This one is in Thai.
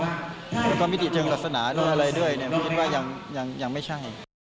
และความมิติเจริญลักษณะอะไรด้วยมันคิดว่ายังไม่ใช่